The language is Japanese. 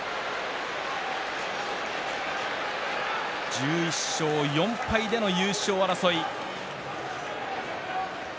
１１勝４敗での優勝争い。